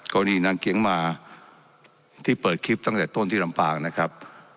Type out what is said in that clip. นางเกียงมาที่เปิดคลิปตั้งแต่ต้นที่ลำปางนะครับ